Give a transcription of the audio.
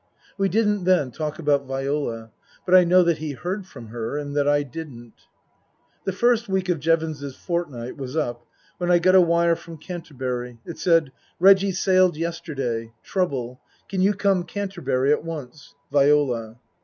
We didn't, then, talk about Viola. But I know that he heard from her and that I didn't. The first week of Jevons's fortnight was up when I got a wire from Canterbury. It said :" Reggie sailed yesterday. Trouble. Can you come Canterbury at once. Viola."